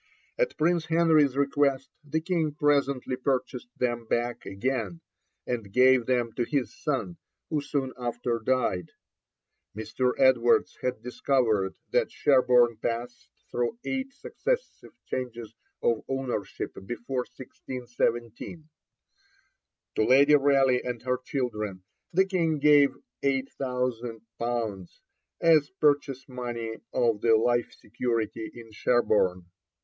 At Prince Henry's request the King presently purchased them back again, and gave them to his son, who soon after died. Mr. Edwards has discovered that Sherborne passed through eight successive changes of ownership before 1617. To Lady Raleigh and her children the King gave 8,000_l._ as purchase money of the life security in Sherborne.